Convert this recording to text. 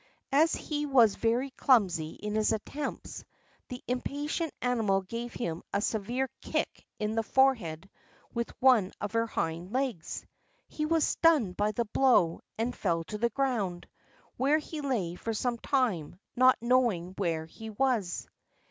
As he was very clumsy in his attempts, the impatient animal gave him a severe kick on his forehead with one of her hind legs. He was stunned by the blow, and fell to the ground, where he lay for some time, not knowing where he was.